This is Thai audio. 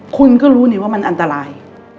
คุณก็รู้นี่ว่ามันอันตราย